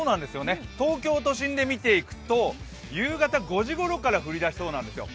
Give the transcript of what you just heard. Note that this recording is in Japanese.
東京都心で見ていくと夕方５時ごろから降りだしそうなんですよ。